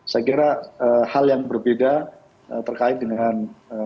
saya kira hal yang berbeda terkait dengan